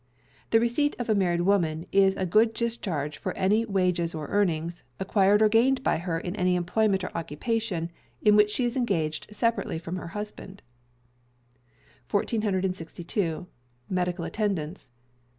The receipt of a married woman is a good discharge for any wages or earnings, acquired or gained by her in any employment or occupation in which she is engaged separately from her husband. 1462. Medical Attendance.